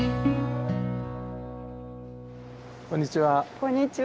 こんにちは。